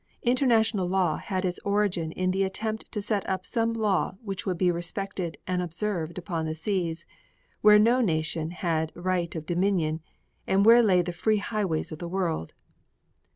International law had its origin in the attempt to set up some law which would be respected and observed upon the seas, where no nation had right of dominion and where lay the free highways of the world.